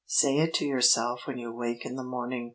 Say it to yourself when you wake in the morning.